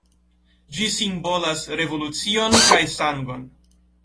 Ĝi simbolas revolucion kaj sangon.